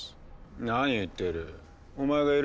何を言っている。